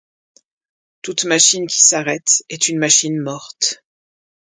Toute machine qui s’arrête, est une machine morte.